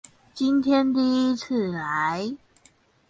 今天第一次來